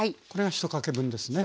１かけ分です。